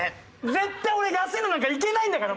絶対俺安いのなんかいけないんだから！